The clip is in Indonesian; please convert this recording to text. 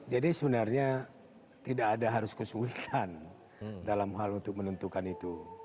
jadi sebenarnya tidak ada harus kesulitan dalam hal untuk menentukan itu